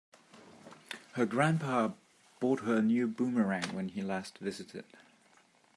Her grandpa bought her a new boomerang when he last visited.